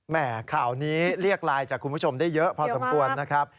ข่าวนี้เรียกไลน์จากคุณผู้ชมได้เยอะพอสมควรนะครับ